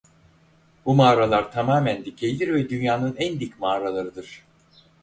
Bu mağaralar tamamen dikeydir ve dünyanın en dik mağaralarıdır.